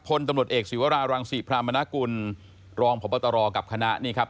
พลตำรวจเอกศิวรารังศรีพรามนากุลรองพบตรกับคณะนี่ครับ